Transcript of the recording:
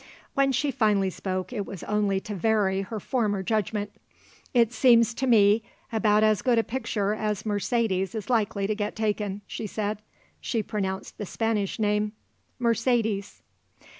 When she finally spoke it was only to vary her former judgment: "It seems to me about as good a picture as Mercedes is likely to get taken," she said. She pronounced the Spanish name: "Mursadees."